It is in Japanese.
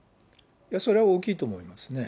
それは大きいと思いますね。